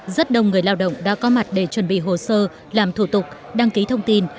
rất đông người lao động đã có mặt để chuẩn bị hồ sơ làm thủ tục đăng ký thông tin